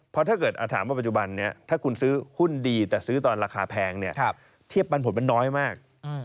เพราะถ้าเกิดถามว่าปัจจุบันนี้ถ้าคุณซื้อหุ้นดีแต่ซื้อตอนราคาแพงเนี่ยเทียบปันผลมันน้อยมาก